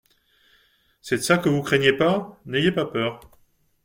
C'est ça que vous craigniez, pas ? N'ayez pas peur.